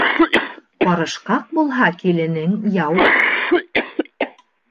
...ҡарышҡаҡ булһа киленең яу.